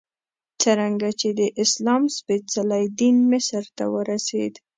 څرنګه چې د اسلام سپېڅلی دین مصر ته ورسېد.